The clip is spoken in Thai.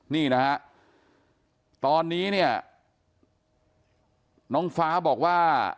นี่นะฮะตอนนี้เนี่ยน้องฟ้าบอกว่า